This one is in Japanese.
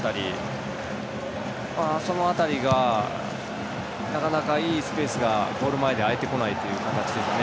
その辺りが、なかなかいいスペースがゴール前で空いてこないという感じですね。